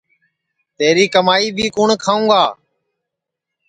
تیری کُمائی بی کُوٹؔ کھاوں گا